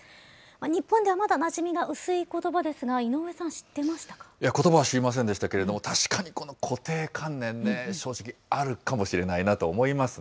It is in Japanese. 日本ではまだ、なじみが薄いことばですが、井上さん、知ってましことばは知りませんでしたけれども、確かにこの固定観念ね、正直、あるかもしれないなと思い